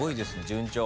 順調。